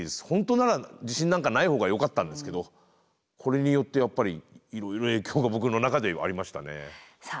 本当なら地震なんかない方がよかったんですけどこれによってやっぱりいろいろ影響が僕の中ではありましたね。